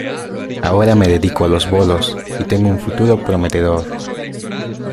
Ahora me dedico a los bolos y tengo un futuro prometedor.